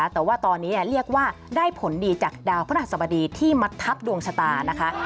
แต่ว่าตอนนี้เรียกว่าได้ผลดีจากดาวพระราชสบดีที่มัดทับดวงชะตานะคะ